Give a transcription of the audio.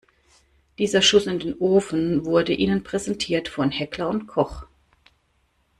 Dieser Schuss in den Ofen wurde Ihnen präsentiert von Heckler & Koch.